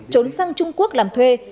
trốn sang trung quốc làm thuê